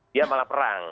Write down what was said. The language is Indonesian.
dia malah perang